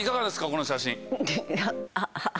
この写真。